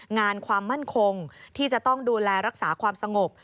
งานความมั่นคงที่จะต้องดูแลรักษาความสงบ